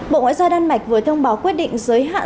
bộ ngoại giao đan mạch vừa thông báo quyết định giới hạn số lượng